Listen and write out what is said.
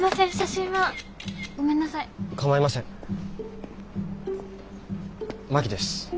真木です。